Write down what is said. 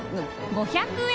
５００円？